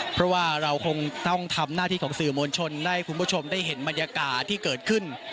เพราะว่าเราคงต้องทำหน้าที่ของสื่อมวลชนให้คุณผู้ชมได้เห็นบรรยากาศที่เกิดขึ้น